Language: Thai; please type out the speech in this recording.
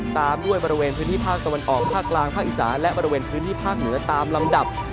ตามด้วยบริเวณพื้นที่ภาคตะวันออกภาคกลางภาคอีสานและบริเวณพื้นที่ภาคเหนือตามลำดับ